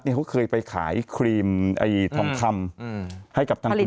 เนี่ยใส่กล่องไม่ได้